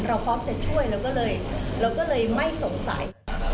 เราพร้อมจะช่วยเราก็เลยไม่สงสัย